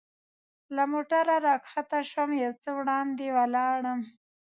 له موټره را کښته شوم، یو څه وړاندې ولاړم.